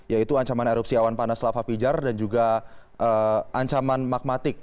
yaitu ancaman erupsi awan panas lava pijar dan juga ancaman magmatik